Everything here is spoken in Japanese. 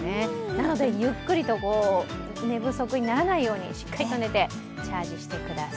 なのでゆっくりと寝不足にならないようにしっかりと寝てチャージてください。